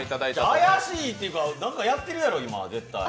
怪しいっていうか何かやってるやろ？